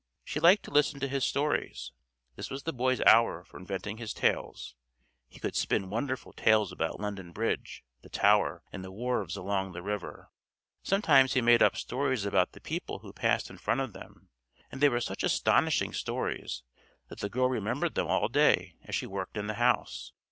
She liked to listen to his stories. This was the boy's hour for inventing his tales; he could spin wonderful tales about London Bridge, the Tower, and the wharves along the river. Sometimes he made up stories about the people who passed in front of them, and they were such astonishing stories that the girl remembered them all day as she worked in the house.